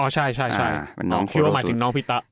อ๋อใช่คิดว่าหมายถึงน้องพี่ตะ